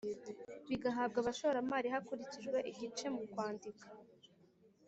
bigahabwa abashoramari hakurikijwe igice mu kwandika